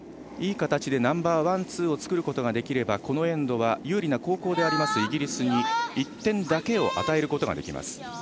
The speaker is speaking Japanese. いい形でナンバーワン、ツーを作ることができればこのエンドは有利な後攻であるイギリスに１点だけを与えることができます。